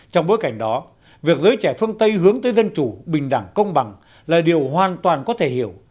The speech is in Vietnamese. trong bối cảnh đó việc giới trẻ phương tây hướng tới dân chủ bình đẳng công bằng là điều hoàn toàn có thể hiểu